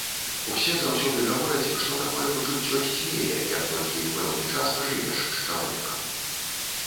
Усе заўсёды гавораць, што такое пачуццё сцьмее, як толькі пэўны час пажывеш з чалавекам.